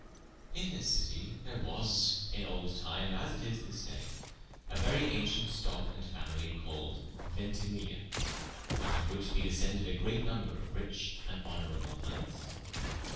In this citie there was in old time as it is at this day, a verye aunciente stocke and familie called Ventimiglia, oute of which be descended a great nomber of riche and honourable knightes.